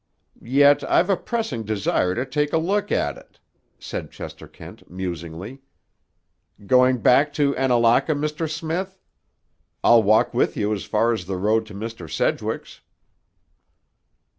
"Yet I've a pressing desire to take a look at it," said Chester Kent musingly. "Going back to Annalaka, Mr. Smith? I'll walk with you as far as the road to Mr. Sedgwick's."